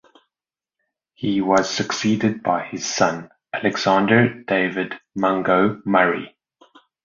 He was succeeded by his son Alexander David Mungo Murray.